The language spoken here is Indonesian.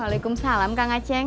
walaikum salam kang acing